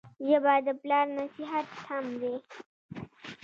ژبه د پلار نصیحت هم دی